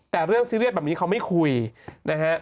แต่เรื่องซีเรียสแบบนี้เขาไม่คุยนะฮะ